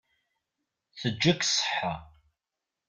Teǧǧa-k ṣṣeḥḥa.